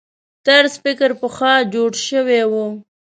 طرز فکر پخوا جوړ شوي وو.